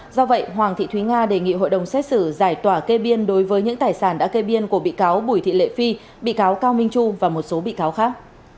do vậy hoàng thị thúy nga đề nghị hội đồng xét xử giải tỏa kê biên đối với những tài sản đã kê biên của bị cáo bùi thị lệ phi bị cáo cao minh trung và một số bị cáo khác